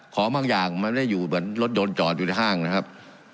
ของบางอย่างมันไม่ได้อยู่เหมือนรถยนต์จอดอยู่ในห้างนะครับ